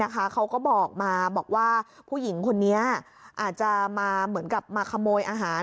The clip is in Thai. เขาก็บอกว่าผู้หญิงคนนี้อาจจะมาขโมยอาหาร